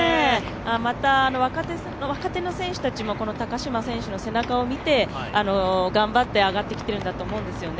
また、若手の選手たちも高島選手の背中を見て頑張って上がってきているんだと思うんですよね。